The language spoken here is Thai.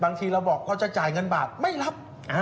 บางทีเราบอกเขาจะจ่ายเงินบาทไม่รับ